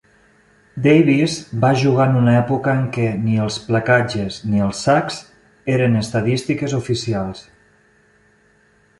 Davis va jugar en una època en què ni els placatges ni els sacs eren estadístiques oficials.